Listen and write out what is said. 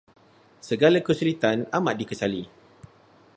Segala kesulitan amat dikesali.